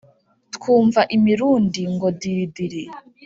twumva imirundi ngo diridiri